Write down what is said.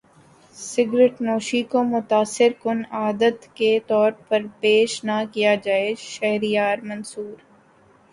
cigarette نوشی کو متاثر کن عادت کے طور پر پیش نہ کیا جائے شہریار منور